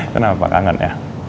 kenapa kangen ya